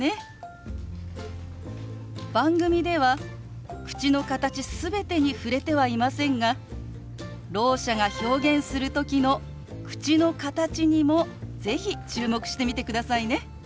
番組では口の形全てに触れてはいませんがろう者が表現する時の口の形にも是非注目してみてくださいね。